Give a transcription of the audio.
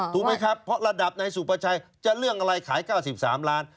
ถูกไหมครับเพราะระดับนายสุประชัยจะเรื่องอะไรขาย๙๓ล้าน